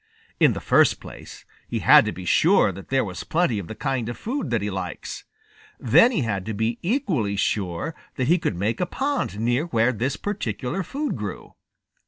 In the first place, he had to be sure that there was plenty of the kind of food that he likes. Then he had to be equally sure that he could make a pond near where this particular food grew.